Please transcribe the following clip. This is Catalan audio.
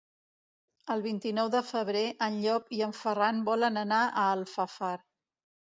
El vint-i-nou de febrer en Llop i en Ferran volen anar a Alfafar.